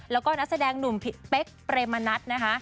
แล้วก็นักแสดงนุ่มพิเฟคเปรมณัฐนะคะ